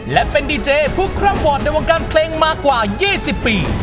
และเป็นดีเจผู้คร่ำวอร์ดในวงการเพลงมากว่า๒๐ปี